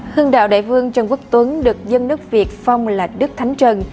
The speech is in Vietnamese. hương đạo đại vương trần quốc tuấn được dân nước việt phong là đức thánh trần